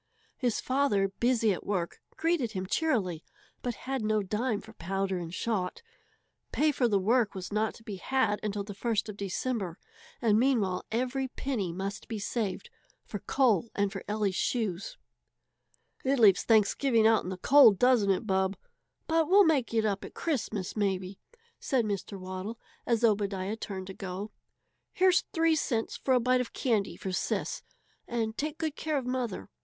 His father, busy at work, greeted him cheerily, but had no dime for powder and shot. Pay for the work was not to be had until the first of December, and meanwhile every penny must be saved for coal and for Ellie's shoes. "It leaves Thanksgiving out in the cold, doesn't it, Bub? But we'll make it up at Christmas, maybe," said Mr. Waddle, as Obadiah turned to go. "Here's three cents for a bite of candy for Sis, and take good care of mother.